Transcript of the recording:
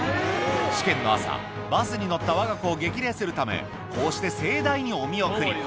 試験の朝、バスに乗ったわが子を激励するため、こうして盛大にお見送り。